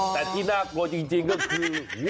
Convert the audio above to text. แต่ที่น่ากลัวจริงก็คือ